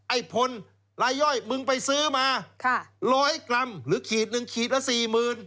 ไอ้พลลายย่อยมึงไปซื้อมาค่ะร้อยกรัมหรือขีดหนึ่งขีดละสี่หมื่น